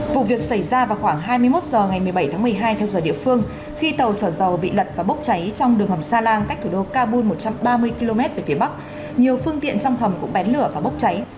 vụ việc xảy ra vào khoảng hai mươi một h ngày một mươi bảy tháng một mươi hai theo giờ địa phương khi tàu trở dầu bị lật và bốc cháy trong đường hầm sa lan cách thủ đô kabul một trăm ba mươi km về phía bắc nhiều phương tiện trong hầm cũng bén lửa và bốc cháy